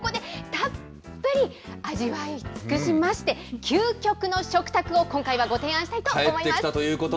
ここでたっぷり味わいつくしまして、究極の食卓を今回はご提案したいと思います。